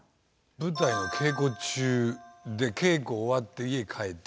舞台の稽古中で稽古終わって家へ帰って自宅にいました